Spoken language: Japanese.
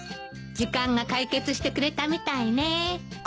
時間が解決してくれたみたいね。